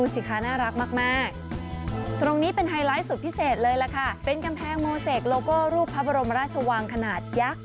สิคะน่ารักมากตรงนี้เป็นไฮไลท์สุดพิเศษเลยล่ะค่ะเป็นกำแพงโมเซคโลโก้รูปพระบรมราชวังขนาดยักษ์